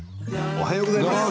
おはようございます。